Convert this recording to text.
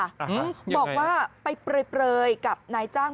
อ่าฮะยังไงบอกว่าไปเปรยกับนายจ้าง